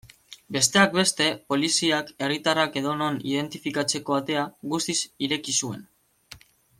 Besteak beste, poliziak herritarrak edonon identifikatzeko atea guztiz ireki zuen.